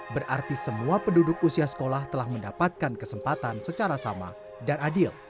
berarti semua penduduk usia sekolah telah mendapatkan kesempatan secara sama dan adil